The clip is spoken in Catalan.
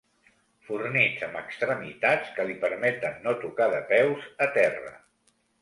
Fornits amb extremitats que li permeten no tocar de peus a terra.